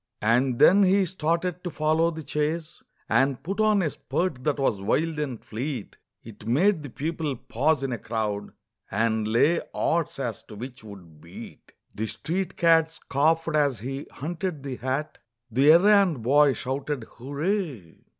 And then he started to follow the chase, And put on a spurt that was wild and fleet, It made the people pause in a crowd, And lay odds as to which would beat. The street cad scoffed as he hunted the hat, The errand boy shouted hooray!